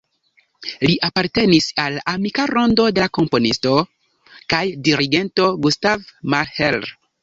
Li apartenis al la amika rondo de komponisto kaj dirigento Gustav Mahler.